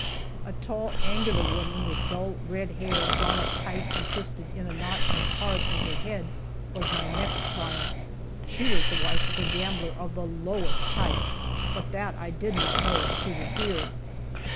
A tall, angular woman with dull red hair drawn up tight and twisted in a knot as hard as her head, was my next trial. She was the wife of a gambler of the lowest type, but that I did not know while she was here.